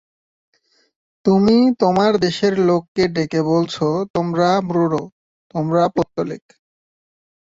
তুমি তোমার দেশের লোককে ডেকে বলছ–তোমরা মূঢ়, তোমরা পৌত্তলিক।